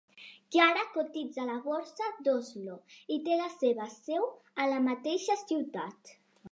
Yara cotitza a la Borsa d'Oslo i té la seva seu a la mateixa ciutat.